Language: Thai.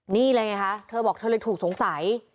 นี่เลยไงคะเธอบอกเธอเลยถูกสงสัย